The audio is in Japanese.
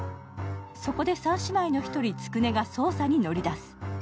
そこで三姉妹の１人、都久音が捜査に乗り出す。